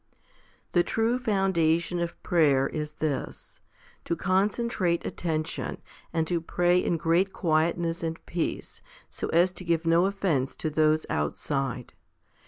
3. The true foundation of prayer is this, to concentrate attention, and to pray in great quietness and peace, so as to give no offence to those outside.